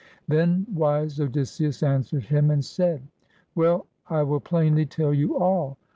Then wise Odysseus answered him and said: "Well, I will plainly tell you all.